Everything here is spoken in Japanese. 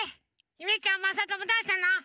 ゆめちゃんまさともどうしたの？